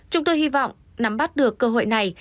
chúng tôi hy vọng nắm bắt được cơ hội này